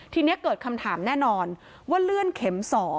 ทีนี้เกิดคำถามแน่นอนว่าเลื่อนเข็ม๒